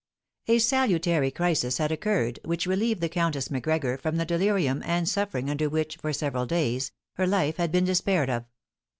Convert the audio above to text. A salutary crisis had occurred, which relieved the Countess Macgregor from the delirium and suffering under which, for several days, her life had been despaired of.